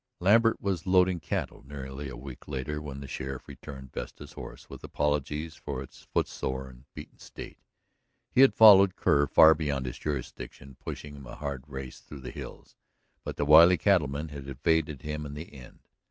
Lambert was loading cattle nearly a week later when the sheriff returned Vesta's horse, with apologies for its footsore and beaten state. He had followed Kerr far beyond his jurisdiction, pushing him a hard race through the hills, but the wily cattleman had evaded him in the end.